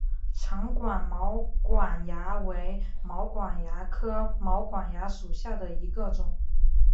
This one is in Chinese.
长管毛管蚜为毛管蚜科毛管蚜属下的一个种。